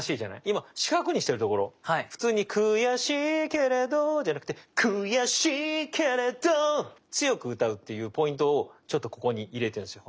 今四角にしてるところ普通に「くやしいけれど」じゃなくてくやしいけれっど！強く歌うっていうポイントをちょっとここに入れてるんすよ。